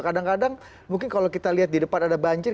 kadang kadang mungkin kalau kita lihat di depan ada banjir